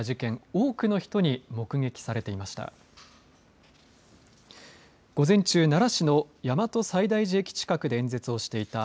多くの人に目撃されていました。